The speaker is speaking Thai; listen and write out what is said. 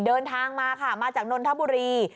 เดินทางมาค่ะมาจากนนทบุรี